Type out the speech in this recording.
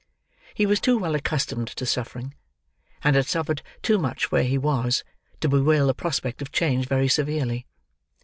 He was too well accustomed to suffering, and had suffered too much where he was, to bewail the prospect of change very severely.